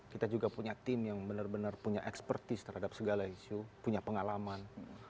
kita juga punya tim yang benar benar punya expertise terhadap segala isu punya pengalaman